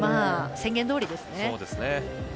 宣言どおりですね。